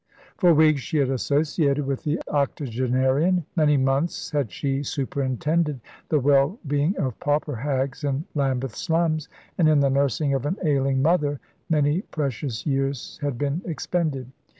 For weeks she had associated with the octogenarian; many months had she superintended the well being of pauper hags in Lambeth slums; and in the nursing of an ailing mother many precious years had been expended.